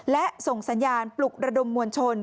และส่งสัญญาณปลุกระดมมวลชน